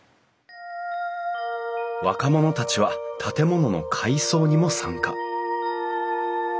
若者たちは建物の改装にも参加。